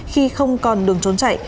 khi không còn đường trốn chạy